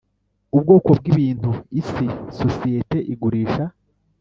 Ubwoko bw ibintu iyi sosiyete igurisha